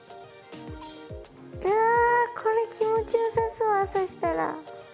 いやこれ気持ちよさそう朝したら。